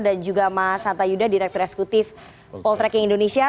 dan juga mas hanta yuda direktur eksekutif poltreking indonesia